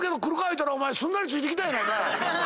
言うたらすんなりついてきたやないかい。